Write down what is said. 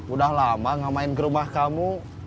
udah lama gak main ke rumah kamu